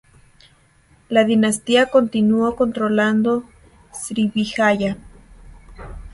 La dinastía continuó controlando Srivijaya.